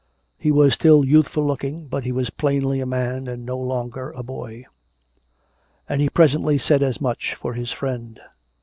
He was still youth ful looking, but he was plainly a man and no longer a boy. And he presently said as much for his friend.